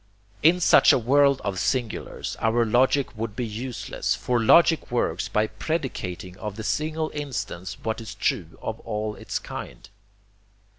In such a world of singulars our logic would be useless, for logic works by predicating of the single instance what is true of all its kind.